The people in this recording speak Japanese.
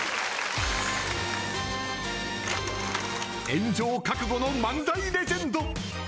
炎上覚悟の漫才レジェンド。